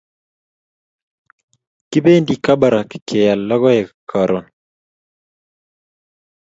kipendi Kabarak keyal lokoek karun